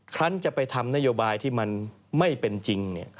ครั้งจะไปทำนโยบายที่มันไม่เป็นจริง